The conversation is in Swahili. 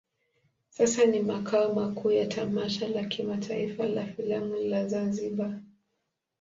Sasa ni makao makuu ya tamasha la kimataifa la filamu la Zanzibar.